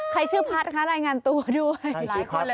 ใครชื่อพัฒน์นะคะรายงานตัวด้วย